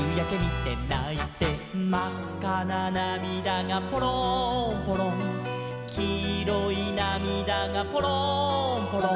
「まっかななみだがぽろんぽろん」「きいろいなみだがぽろんぽろん」